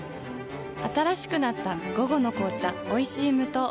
新しくなった「午後の紅茶おいしい無糖」